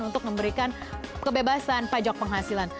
untuk memberikan kebebasan pajak penghasilan